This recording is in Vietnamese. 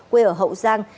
quê ở hậu giang